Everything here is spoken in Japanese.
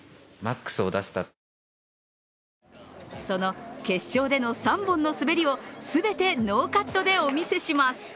その決勝での３本の滑りを全てノーカットでお見せします。